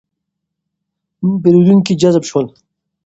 پېرېدونکي جذب شول.